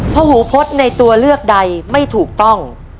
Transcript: พระหูพฤษในตัวเลือกใดไม่ถูกต้อง